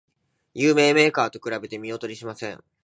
有名メーカーと比べて見劣りしません